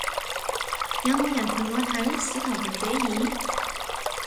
有冇人陪我睇使徒行者二？